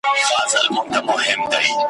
او د لنډو کیسو لیکوال وو !.